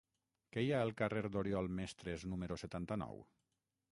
Què hi ha al carrer d'Oriol Mestres número setanta-nou?